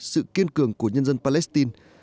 sự kiên cường của nhân dân palestine